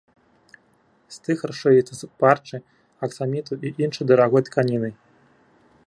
Стыхар шыецца з парчы, аксаміту і іншай дарагой тканіны.